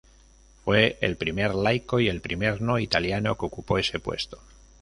Fue el primer laico y el primer no italiano que ocupó ese puesto.